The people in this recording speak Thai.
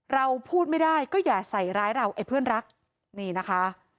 เราพูดไม่ได้ก็อย่าใส่ร้ายเราไอ้เพื่อนรักนี่นะคะ